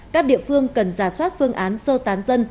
các địa phương cần giả soát phương án sơ tán dân